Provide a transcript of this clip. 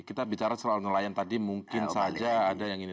kita bicara soal nelayan tadi mungkin saja ada yang ini